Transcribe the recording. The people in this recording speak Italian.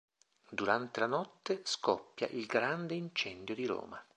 Durante la notte scoppia il Grande incendio di Roma.